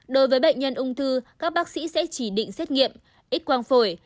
đối với bệnh nhân ung thư các bác sĩ sẽ chỉ định xét nghiệm ít quang phổi